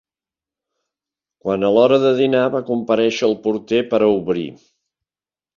...quan a l'hora de dinar va comparèixer el porter per a obrir.